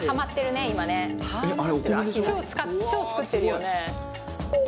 超作ってるよね。